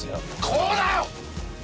こうだよ！